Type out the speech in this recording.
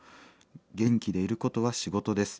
元気でいることは仕事です。